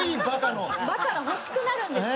バカが欲しくなるんですよ。